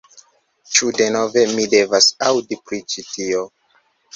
"Ĉu denove, mi devas aŭdi pri ĉi tio"